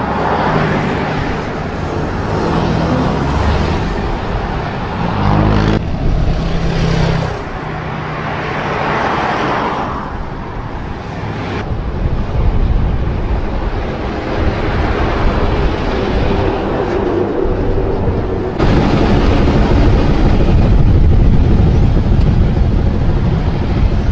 กลัวช่วยไปหาผู้บินกับผู้ต่อไป